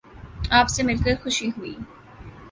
آپ سے مل کر خوشی ہوئی